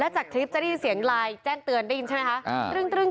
จากคลิปจะได้เป็นเสียงไลน์แจ้งเตือนติ๊งไหมครับ